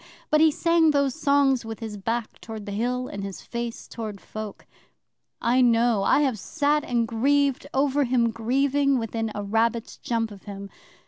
but he sang those songs with his back toward the Hill, and his face toward folk. I know! I have sat and grieved over him grieving within a rabbit's jump of him.